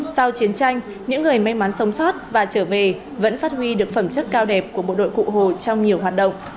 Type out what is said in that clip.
sau chiến tranh những người may mắn sống sót và trở về vẫn phát huy được phẩm chất cao đẹp của bộ đội cụ hồ trong nhiều hoạt động